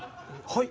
はい。